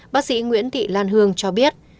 bác sĩ nguyễn thị lan hương cho biết